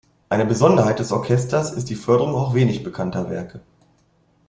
Eine Besonderheit des Orchesters ist die Förderung auch wenig bekannter Werke.